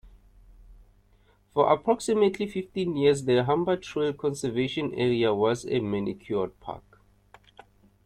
For approximately fifteen years the Humber Trails Conservation Area was a manicured Park.